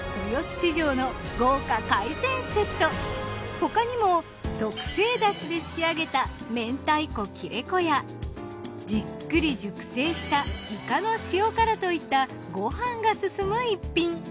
他にも特製だしで仕上げたじっくり熟成したいかの塩辛といったご飯がすすむ逸品。